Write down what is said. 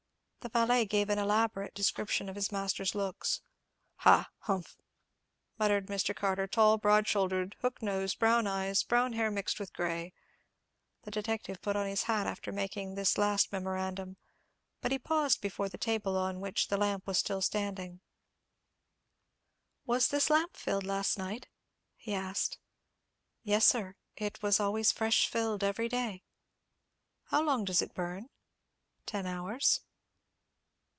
The valet gave an elaborate description of his master's looks. "Ha!—humph!" muttered Mr. Carter; "tall, broad shouldered, hook nose, brown eyes, brown hair mixed with grey." The detective put on his hat after making this last memorandum: but he paused before the table, on which the lamp was still standing. "Was this lamp filled last night?" he asked. "Yes, sir; it was always fresh filled every day." "How long does it burn?" "Ten hours."